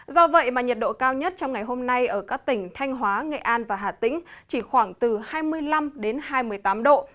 do vậy mà nhiệt độ cao nhất trong ngày hôm nay ở các tỉnh thanh hóa nghệ an và hà tĩnh chỉ khoảng từ hai mươi năm đến hai mươi tám độ